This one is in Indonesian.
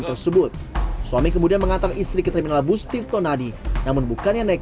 tersebut suami kemudian mengantar istri ke terminal bus tirtonadi namun bukannya naik